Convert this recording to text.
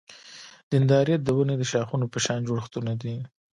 دندرایت د ونې د شاخونو په شان جوړښتونه دي.